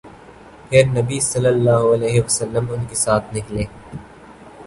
پھر نبی صلی اللہ علیہ وسلم ان کے ساتھ نکلے